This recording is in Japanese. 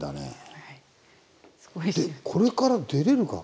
でこれから出れるか？